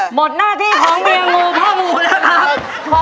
หมดหน้าที่ของเมียงูพ่อมูแล้วครับ